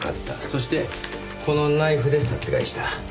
そしてこのナイフで殺害した。